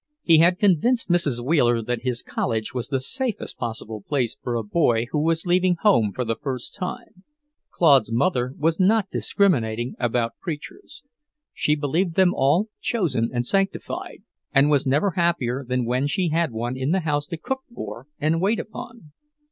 He had convinced Mrs. Wheeler that his college was the safest possible place for a boy who was leaving home for the first time. Claude's mother was not discriminating about preachers. She believed them all chosen and sanctified, and was never happier than when she had one in the house to cook for and wait upon.